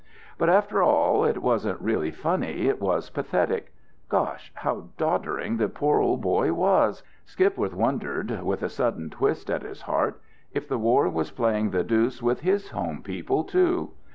But after all, it wasn't really funny, it was pathetic. Gosh, how doddering the poor old boy was! Skipworth wondered, with a sudden twist at his heart, if the war was playing the deuce with his home people, too.